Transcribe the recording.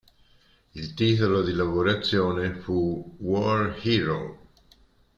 Il titolo di lavorazione fu "War Hero".